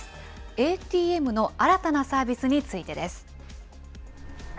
ＡＴＭの新たなサービスについてです。